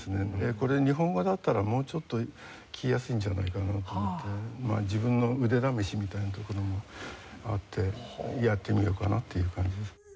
これ日本語だったらもうちょっと聴きやすいんじゃないかな？という事でまあ自分の腕試しみたいなところもあってやってみようかなっていう感じ。